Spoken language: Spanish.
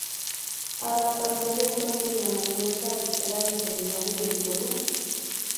Adaptación del toque de llamamiento a vísperas al Seminario de Orihuela.